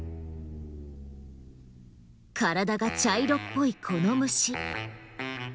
体が茶色っぽいこの虫。